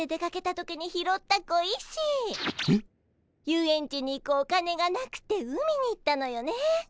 遊園地に行くお金がなくて海に行ったのよね。